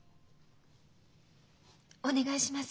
お願いします。